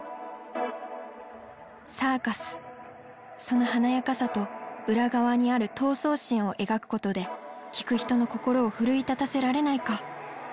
その華やかさと裏側にある闘争心を描くことで聴く人の心を奮い立たせられないか。